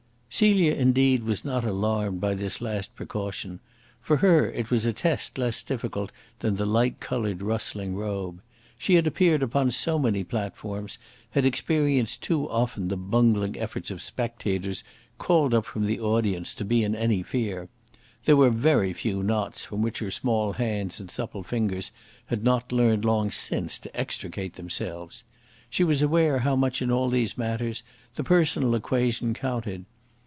Celia, indeed, was not alarmed by this last precaution. For her it was a test less difficult than the light coloured rustling robe. She had appeared upon so many platforms, had experienced too often the bungling efforts of spectators called up from the audience, to be in any fear. There were very few knots from which her small hands and supple fingers had not learnt long since to extricate themselves. She was aware how much in all these matters the personal equation counted.